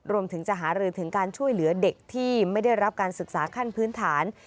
รวมถึงจะหารือถึงการช่วยเหลือเด็กที่ไม่ได้รับการศึกษาขั้นพื้นฐาน